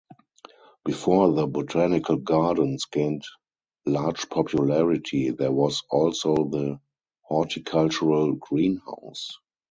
Before the botanical gardens gained large popularity there was also the Horticultural greenhouse.